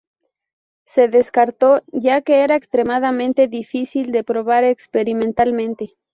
Se descartó, ya que era extremadamente difícil de probar experimentalmente.